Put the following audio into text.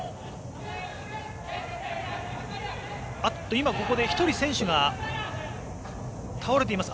今、ここで１人選手が倒れています。